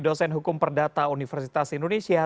dosen hukum perdata universitas indonesia